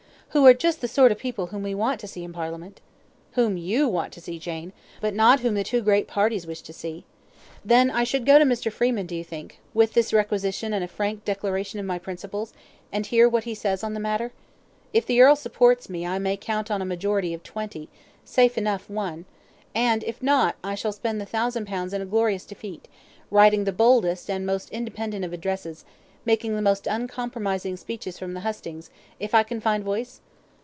"Who are just the sort of people whom we want to see in Parliament." "Whom YOU want to see, Jane, but not whom the two great parties wish to see. Then, should I go to Mr. Freeman, do you think, with this requisition and a frank declaration of my principles, and hear what he says on the matter? If the earl supports me I may count on a majority of twenty a safe enough one; and if not, shall I spend the thousand pounds in a glorious defeat; writing the boldest and most independent of addresses; making the most uncompromising speeches from the hustings, if I can find voice?"